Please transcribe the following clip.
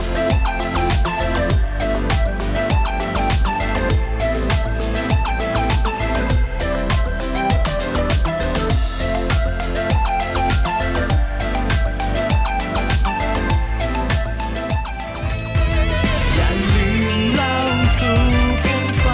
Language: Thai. อย่าลืมเล่าสู่กันฟัง